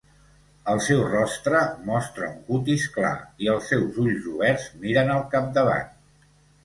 El seu rostre mostra un cutis clar i els seus ulls oberts miren al capdavant.